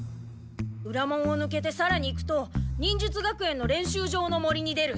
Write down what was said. うら門をぬけてさらに行くと忍術学園の練習場の森に出る。